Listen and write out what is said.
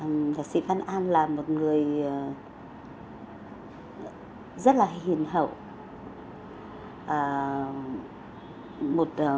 nhạc sĩ văn an là một người rất là hiền hậu